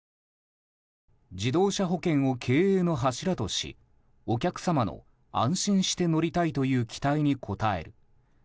自動車保険を経営の柱としお客様の安心して乗りたいという期待に応える。